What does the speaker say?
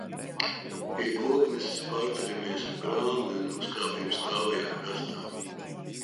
Pie Kokneses pārceļamies ar prāmi un uzkāpjam stāvajā krastā.